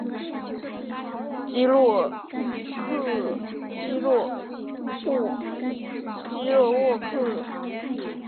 基洛沃格对抗迪根并指责他采用这种不顾危险的训练方式而无视受训者的生命。